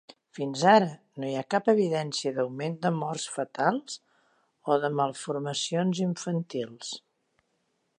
Fins ara no hi ha cap evidència d'augment de morts fetals o de malformacions infantils.